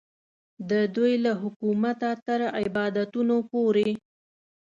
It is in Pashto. د دوی له حکومته تر عبادتونو پورې.